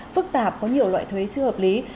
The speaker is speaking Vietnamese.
phức tạp có nhiều loại thuế chưa hợp lý